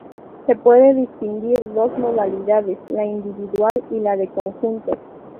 Se pueden distinguir dos modalidades: la individual y la de conjuntos.